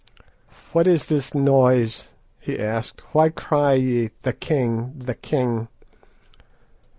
"'What is this noise?' he asked. 'Why cry ye _The king! The king!